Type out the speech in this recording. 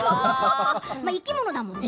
生き物だもんね